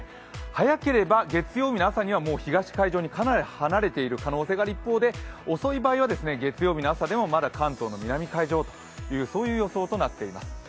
早ければ月曜日の朝には東海上にかなり離れている一方で遅い場合は月曜日の朝でもまだ関東の南海上という予想になっています。